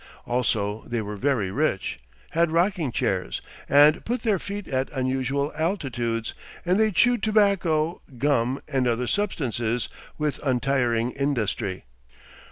Also they were very rich, had rocking chairs, and put their feet at unusual altitudes, and they chewed tobacco, gum, and other substances, with untiring industry.